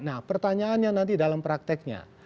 nah pertanyaannya nanti dalam prakteknya